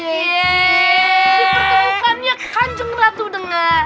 dia bertemukannya kanjung ratu dengan